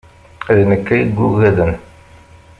D nekk ay yugaden.